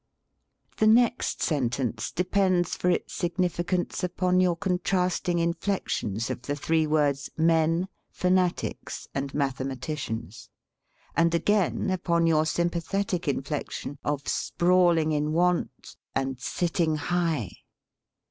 The next sentence depends for its significance upon your con trasting inflections of the three words, men, fanatics, and mathematicians; and again upon your sympathetic inflection of sprawling in want and sitting high.